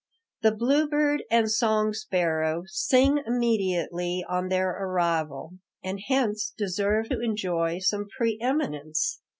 "The bluebird and song sparrow sing immediately on their arrival, and hence deserve to enjoy some preëminence.